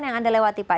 yang anda lewati pak